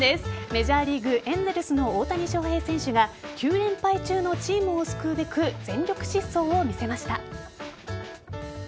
メジャーリーグエンゼルスの大谷翔平選手が９連敗中のチームを救うべく全力疾走を見せました。